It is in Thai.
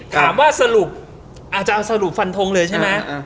สรุปอาจจะเอาสรุปฟันทงเลยใช่ไหม